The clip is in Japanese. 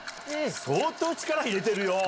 相当力入れてるよ。